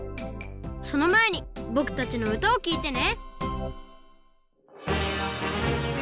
そのまえにぼくたちのうたをきいてね